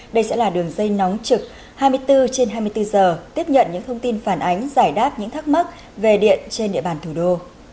đây sẽ là đường dây nóng trực hai mươi bốn trên hai mươi bốn giờ tiếp nhận những thông tin phản ánh giải đáp những thắc mắc về điện trên địa bàn thủ đô